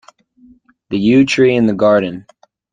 The yew tree in the garden.